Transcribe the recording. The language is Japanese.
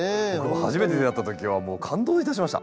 初めて出会った時はもう感動いたしました。